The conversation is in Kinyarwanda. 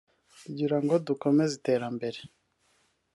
kugira ngo dukomeze iterambere